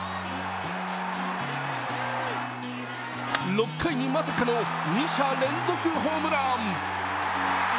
６回にまさかの二者連続ホームラン。